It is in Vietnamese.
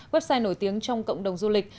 website nổi tiếng trong cộng đồng du lịch